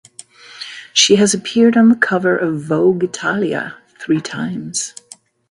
She has appeared on the cover of "Vogue Italia" three times.